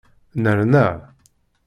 Nerna.